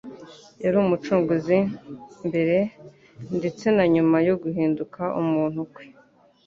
Yari Umucunguzi mbere ndetse na nyuma yo guhinduka umuntu Kwe.